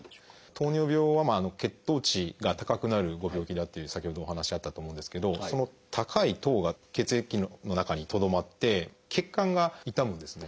糖尿病は血糖値が高くなるご病気だっていう先ほどもお話あったと思うんですけどその高い糖が血液の中にとどまって血管が傷むんですね。